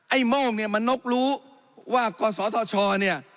โม่งเนี่ยมันนกรู้ว่ากศธชเนี่ย